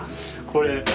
これ。